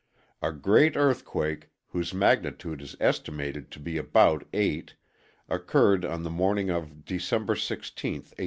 A great earthquake, whose magnitude is estimated to be about 8, occurred on the morning of December 16, 1811.